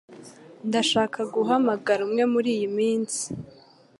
Ndashaka kuguhamagara umwe muriyi minsi.